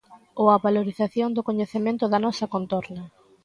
Ou a valorización do coñecemento da nosa contorna.